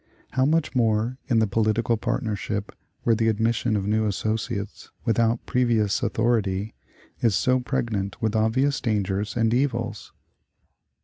How much more in the political partnership, where the admission of new associates, without previous authority, is so pregnant with obvious dangers and evils!"